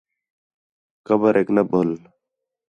قبریک نہ بُھل